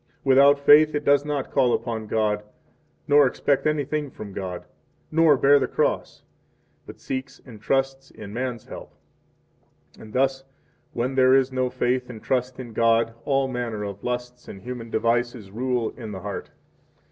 37 Without faith it does not call upon God, nor expect anything from God, nor bear the cross, but seeks, and trusts in, man's help. 38 And thus, when there is no faith and trust in God all manner of lusts and human devices rule in the heart.